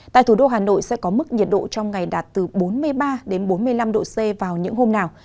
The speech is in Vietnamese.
tại thủ đô hà nội sẽ có mức nhiệt độ trong ngày đạt từ bốn mươi ba bốn mươi năm độ c vào những hôm nào